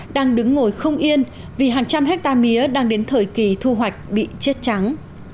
đang đứng ngồi không yên vì hàng trăm hectare mía đang đến thời kỳ thu hoạch bị chết trắng